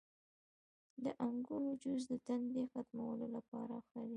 • د انګورو جوس د تندې ختمولو لپاره ښه دی.